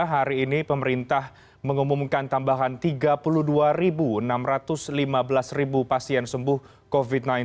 hari ini pemerintah mengumumkan tambahan tiga puluh dua enam ratus lima belas pasien sembuh covid sembilan belas